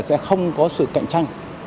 sẽ không có sự cạnh tranh